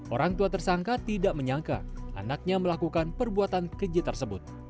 orang tua tersangka tidak menyangka anaknya melakukan perbuatan keji tersebut